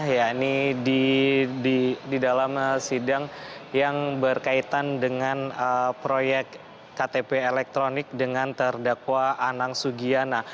ya ini di dalam sidang yang berkaitan dengan proyek ktp elektronik dengan terdakwa anang sugiana